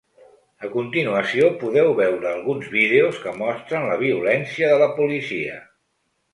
A continuació podeu veure alguns vídeos que mostren la violència de la policia.